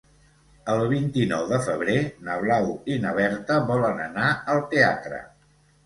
El vint-i-nou de febrer na Blau i na Berta volen anar al teatre.